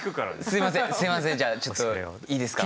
すいません。